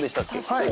はい。